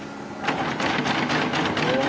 うわ！